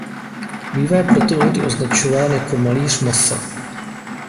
Bývá proto někdy označován jako "malíř masa".